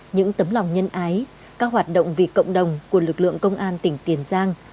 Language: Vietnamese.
những tấm lòng nhân ái các hoạt động vì cộng đồng của lực lượng công an tỉnh tiền giang